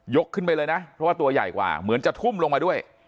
ขึ้นไปเลยนะเพราะว่าตัวใหญ่กว่าเหมือนจะทุ่มลงมาด้วย